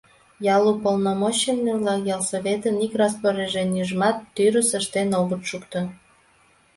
Ял уполномоченный-влак ялсоветын ик распоряженийжымат тӱрыс ыштен огыт шукто.